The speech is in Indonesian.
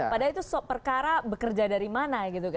padahal itu perkara bekerja dari mana gitu kan